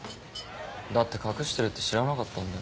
だって隠してるって知らなかったんだよ。